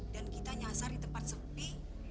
dan kita nyasar di tempat sepi